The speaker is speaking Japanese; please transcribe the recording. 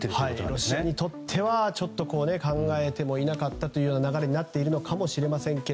ロシアにとっては考えてもいなかったことになっているのかもしれません。